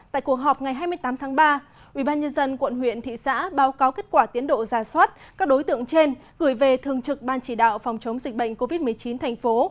tại cuộc họp ngày hai mươi tám tháng ba ubnd quận huyện thị xã báo cáo kết quả tiến độ giả soát các đối tượng trên gửi về thường trực ban chỉ đạo phòng chống dịch bệnh covid một mươi chín thành phố